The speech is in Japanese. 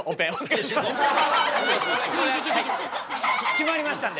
決まりましたんで。